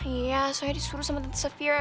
iya soalnya disuruh sama tante saphira